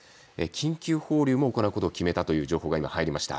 緊急放流も行うことを決めたという情報が今、入りました。